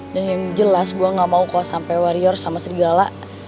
dan yang jelas gue gak mau kalau sampai warior sama serigala